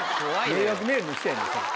迷惑メールの人やねん。